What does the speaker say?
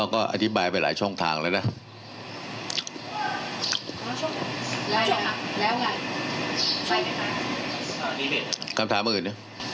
คำถามอื่นนะ